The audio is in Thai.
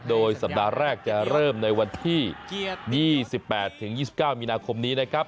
โดยสัปดาห์แรกจะเริ่มในวันที่๒๘๒๙มีนาคมนี้นะครับ